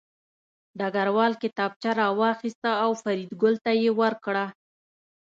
ډګروال کتابچه راواخیسته او فریدګل ته یې ورکړه